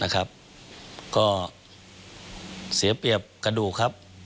ก็เสียเปรียบกระดูกครับ